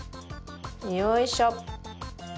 よいしょ。